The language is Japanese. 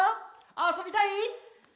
あそびたい！